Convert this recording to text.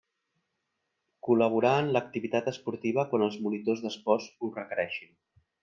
Col·laborar en l'activitat esportiva quan els monitors d'esports ho requereixin.